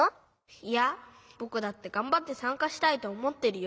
☎いやぼくだってがんばってさんかしたいとおもってるよ。